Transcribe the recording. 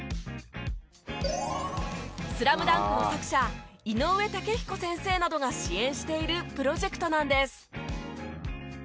『ＳＬＡＭＤＵＮＫ』の作者井上雄彦先生などが支援しているプロジェクトなんです。